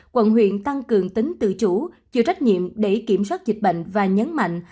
quận huyện tăng cường tính tự chủ chịu trách nhiệm để kiểm soát dịch bệnh và nhấn mạnh